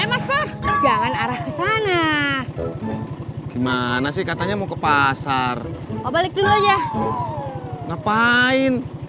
emas perjalanan arah ke sana gimana sih katanya mau ke pasar balik dulu aja ngapain